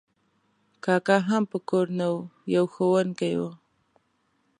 کاکا هم په کور نه و، یو ښوونکی و.